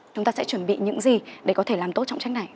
chúng ta sẽ chuẩn bị những gì để có thể làm tốt trọng trách này